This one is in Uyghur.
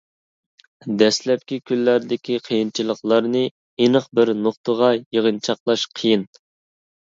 دەسلەپكى كۈنلەردىكى قىيىنچىلىقلارنى ئېنىق بىر نۇقتىغا يىغىنچاقلاش قىيىن.